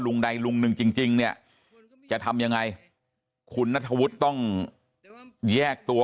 ใดลุงหนึ่งจริงเนี่ยจะทำยังไงคุณนัทธวุฒิต้องแยกตัว